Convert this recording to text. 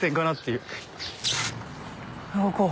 動こう。